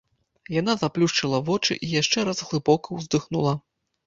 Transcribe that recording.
Яна заплюшчыла вочы і яшчэ раз глыбока ўздыхнула.